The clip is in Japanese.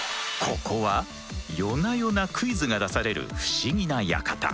ここは夜な夜なクイズが出される不思議な館。